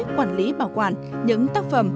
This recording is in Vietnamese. quản lý bảo quản những tác phẩm